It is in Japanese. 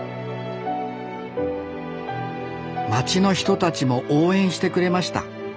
町の人たちも応援してくれました。